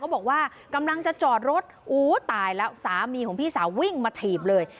บอกว่ากำลังจะจอดรถโอ้ตายแล้วสามีของพี่สาววิ่งมาถีบเลย